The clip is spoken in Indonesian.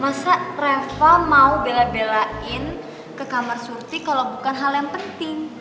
masa reva mau bela belain ke kamar surti kalau bukan hal yang penting